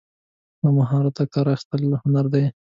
له مهارته کار اخیستل هنر دی.